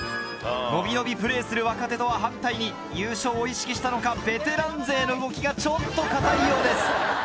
伸び伸びプレーする若手とは反対に優勝を意識したのかベテラン勢の動きがちょっと硬いようです。